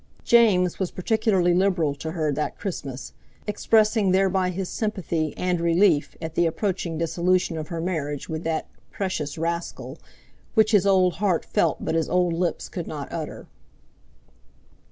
James was particularly liberal to her that Christmas, expressing thereby his sympathy, and relief, at the approaching dissolution of her marriage with that "precious rascal," which his old heart felt but his old lips could not utter.